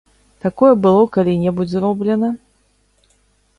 Такое было калі-небудзь зроблена?